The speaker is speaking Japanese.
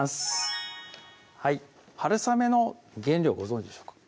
はるさめの原料ご存じでしょうか？